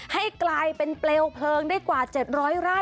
ให้กลายเป็นเปลวเพลิงได้กว่า๗๐๐ไร่